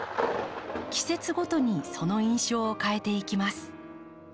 季節ごとにその印象を変えていきます。